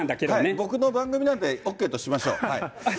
僕の番組なんでＯＫとしましょう。